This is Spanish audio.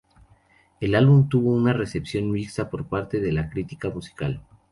El álbum tuvo una recepción mixta por parte de la crítica musical.